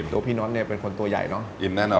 ตัวพี่น้อมเป็นคนตัวใหญ่เนอะ